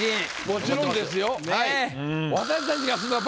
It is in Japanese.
もちろんですよ。